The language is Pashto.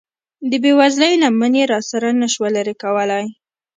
د بې وزلۍ لمن یې له سره نشوه لرې کولی.